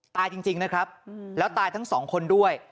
ตายจริงนะครับแล้วตายทั้งสองคนด้วย